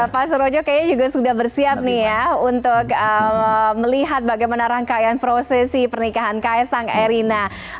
pak surojo kayaknya juga sudah bersiap nih ya untuk melihat bagaimana rangkaian prosesi pernikahan kaisang erina